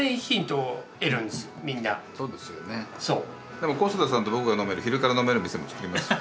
でも小須田さんと僕が飲める昼から飲める店も作りますよ。